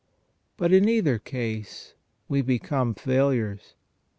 But in either case we become failures.